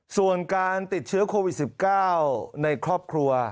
ส่วนการติดเชื้อโควิด๑๙ในครอบครัว